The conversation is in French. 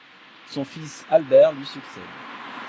Son fils Albert lui succède.